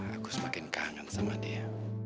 aku semakin kangen sama dia